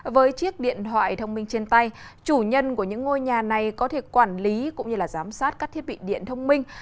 với chiếc điện thoại thông minh trên tay chủ nhân của những ngôi nhà này có thể quản lý cũng như giám sát các thiết bị điện thông minh